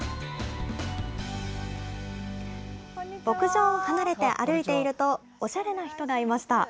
牧場を離れて歩いていると、おしゃれな人がいました。